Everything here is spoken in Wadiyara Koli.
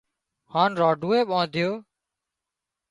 هانَ رانڍوئي ٻاڌيو